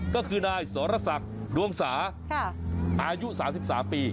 ก็คือนายสรษักดวงสาอายุ๓๓ปี